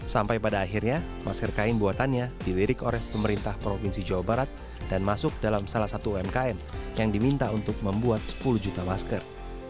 sampai pada akhirnya masker kain buatannya dilirik oleh pemerintah provinsi jawa barat dan masuk dalam salah satu umkm yang diminta untuk membuat sepuluh juta masker